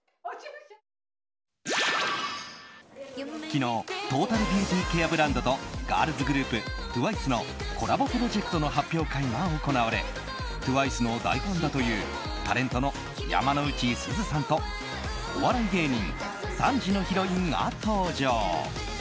昨日トータルビューティーケアブランドとガールズグループＴＷＩＣＥのコラボプロジェクトの発表会が行われＴＷＩＣＥの大ファンだというタレントの山之内すずさんとお笑い芸人３時のヒロインが登場。